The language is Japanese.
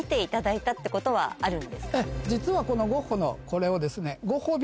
実はこのゴッホのこれを。